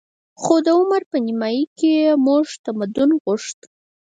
خو د عمر په نیمايي کې موږ تمدن غوښت